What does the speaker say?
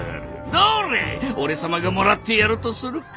どれ俺様がもらってやるとするか。